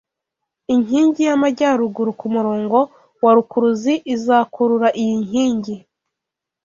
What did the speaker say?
Inkingi yamajyaruguru kumurongo wa rukuruzi izakurura iyi nkingi